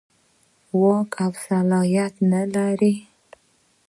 واک او صلاحیت نه لري.